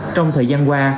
trong thời gian qua